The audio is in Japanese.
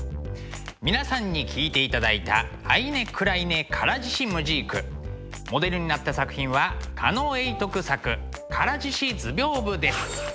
皆さんに聴いていただいた「アイネクライネ唐獅子ムジーク」モデルになった作品は狩野永徳作「唐獅子図屏風」です。